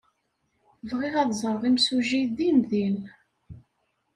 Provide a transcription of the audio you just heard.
Bɣiɣ ad ẓreɣ imsujji dindin.